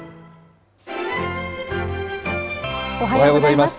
おはようございます。